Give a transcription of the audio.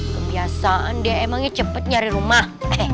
kebiasaan dia emangnya cepat nyari rumah